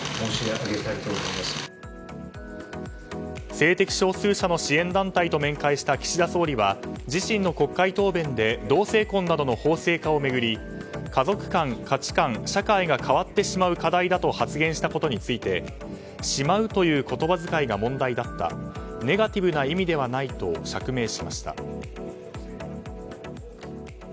性的少数者の支援団体と面会した岸田総理は自身の国会答弁で同性婚などの法制化を巡り家族観、価値観、社会が変わってしまう課題だと発言したことについてしまうという言葉遣いが問題だったネガティブな意味ではないと釈明しました。